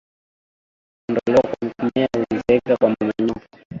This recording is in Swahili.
Kuondolewa kwa mimea huongezeka kwa mmomonyoko